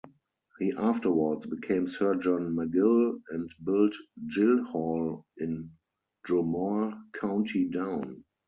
He afterwards became Sir John Magill and built Gill Hall in Dromore, County Down.